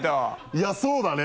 いやそうだね。